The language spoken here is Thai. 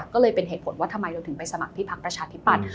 ก็เลยเป็นเหตุผลว่าทำไมเราถึงไปสมัครที่พักประชาธิปัตย